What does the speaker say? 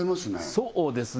そうですね